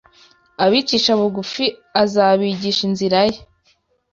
abicisha bugufi azabigisha inzira ye